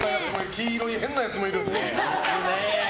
黄色い変なやつもいる。